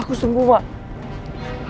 aku sembuh mak